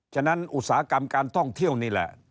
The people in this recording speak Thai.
ฉะนั้นอุตสาหกรรมการท่องเที่ยวนี่แหละ